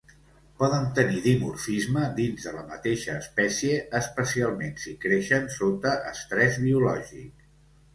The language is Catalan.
Poden tenir dimorfisme dins de la mateixa espècie especialment si creixen sota estrès biològic.